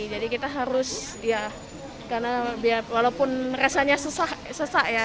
jadi kita harus ya karena walaupun merasanya sesak ya